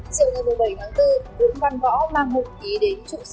chiều một mươi bảy tháng bốn vũng văn võ mang mục ký đến trụ sở